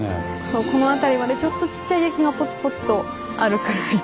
そうこの辺りまでちょっとちっちゃい駅がぽつぽつとあるくらいで。